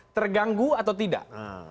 terganggu atau tidak